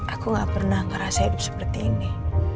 aku gak pernah ngerasa hidup seperti ini